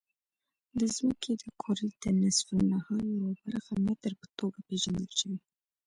د ځمکې د کرې د نصف النهار یوه برخه متر په توګه پېژندل شوې.